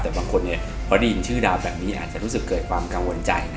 แต่บางคนพอได้ยินชื่อดาวแบบนี้อาจจะรู้สึกเกิดความกังวลใจ